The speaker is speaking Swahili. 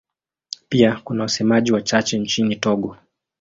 Pia kuna wasemaji wachache nchini Togo.